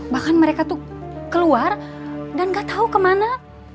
bahkan mereka tuh keluar dan gak tahu kemana